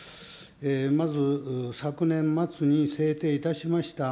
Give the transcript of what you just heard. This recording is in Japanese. まず昨年末に制定いたしました